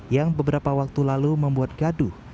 yang beberapa waktu lalu membuat gaduh